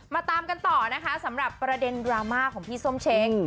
ตามกันต่อนะคะสำหรับประเด็นดราม่าของพี่ส้มเช้ง